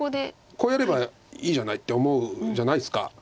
「こうやればいいじゃない？」って思うじゃないですか。